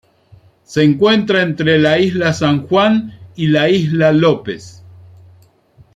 Se encuentra entre la Isla San Juan y la Isla Lopez.